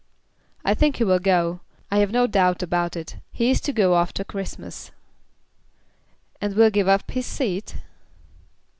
"I think he will go. I've no doubt about it. He is to go after Christmas." "And will give up his seat?"